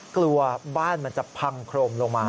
กลัวบ้านมันจะพังโครมลงมา